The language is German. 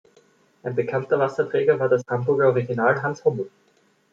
Ein bekannter Wasserträger war das Hamburger Original Hans Hummel.